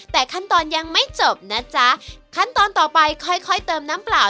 แต่ขั้นตอนยังไม่จบนะจ๊ะขั้นตอนต่อไปค่อยค่อยเติมน้ำเปล่า